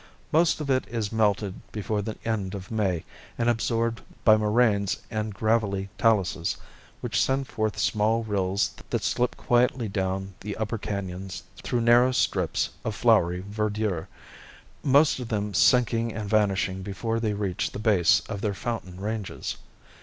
Most of it is melted before the end of May and absorbed by moraines and gravelly taluses, which send forth small rills that slip quietly down the upper cañons through narrow strips of flowery verdure, most of them sinking and vanishing before they reach the base of their fountain ranges.